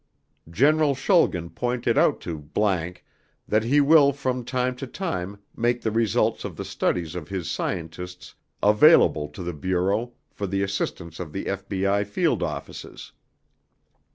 General Schulgen pointed out to ____ that he will from time to time make the results of the studies of his scientists available to the Bureau for the assistance of the FBI Field Offices.